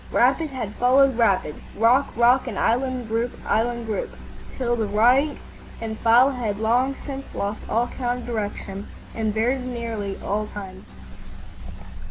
Rapid had followed rapid, rock rock, and island group island group, till the rank and file had long since lost all count of direction and very nearly of time.